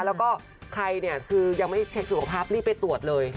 แล้วก็ใครเนี่ยคือยังไม่เช็คสุขภาพรีบไปตรวจเลย